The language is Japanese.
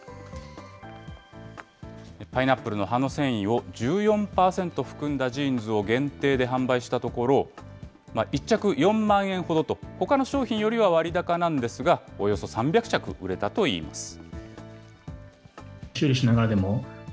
パイナップルの葉の繊維を１４％含んだジーンズを限定で販売したところ、１着４万円ほどとほかの商品よりは割高なんですが、およそ３００着売れたといいます。